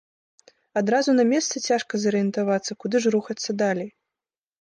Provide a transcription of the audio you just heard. Адразу на месцы цяжка зарыентавацца, куды ж рухацца далей.